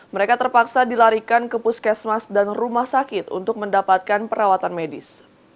mereka terpaksa dilarikan ke puskesmas dan rumah sakit untuk mendapatkan perawatan medis